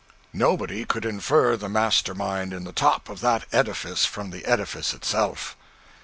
Nobody could infer the master mind in the top of that edifice from the edifice itself.